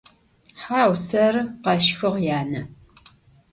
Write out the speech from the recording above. Hau, serı, - kheşxığ yane.